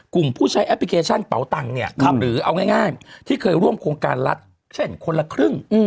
ผู้ใช้แอปพลิเคชันเป๋าตังค์เนี่ยหรือเอาง่ายที่เคยร่วมโครงการรัฐเช่นคนละครึ่ง